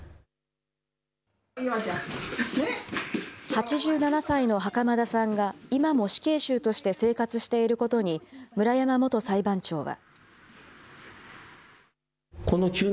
８７歳の袴田さんが今も死刑囚として生活していることに、村山元裁判長は。